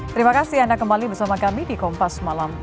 terima kasih anda kembali bersama kami di kompas malam ini